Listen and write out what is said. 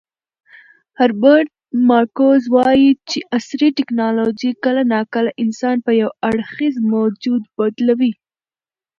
هربرت مارکوز وایي چې عصري ټیکنالوژي کله ناکله انسان په یو اړخیز موجود بدلوي.